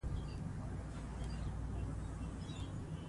د افغانستان په غرونو کې د کښل شویو تونلونو انجینري د ستاینې وړ ده.